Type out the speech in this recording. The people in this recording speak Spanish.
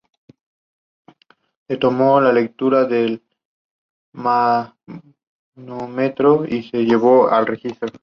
Obras originales en prosa fueron publicadas sólo en los últimos tres decenios.